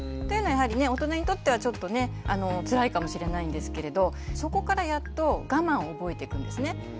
というのはやはりね大人にとってはちょっとねつらいかもしれないんですけれどそこからやっと我慢を覚えていくんですね。